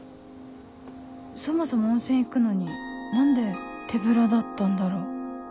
そもそも温泉行くのに何で手ぶらだったんだろう？